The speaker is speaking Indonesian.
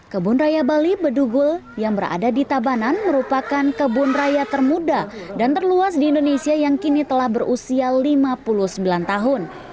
kebun raya bali bedugul yang berada di tabanan merupakan kebun raya termuda dan terluas di indonesia yang kini telah berusia lima puluh sembilan tahun